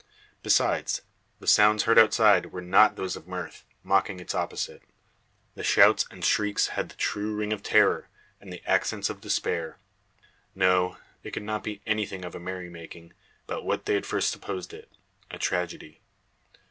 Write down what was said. Besides, the sounds heard outside were not those of mirth, mocking its opposite. The shouts and shrieks had the true ring of terror, and the accents of despair. No. It could not be anything of a merrymaking, but what they at first supposed it a tragedy.